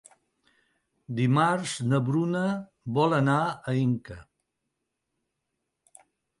Dimarts na Bruna vol anar a Inca.